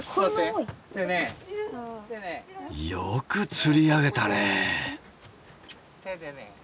よく釣り上げたね！